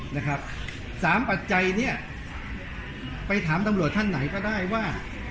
นะครับสามปัจจัยเนี้ยไปถามตำรวจท่านไหนก็ได้ว่า